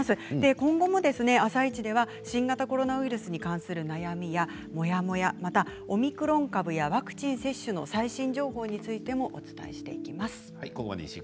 今後も「あさイチ」では新型コロナウイルスに関する悩みやモヤモヤまたオミクロン株やワクチン接種の最新情報についても、お伝えしていきます。